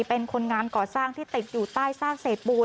เป็นคนงานก่อสร้างที่ติดอยู่ใต้ซากเศษปูน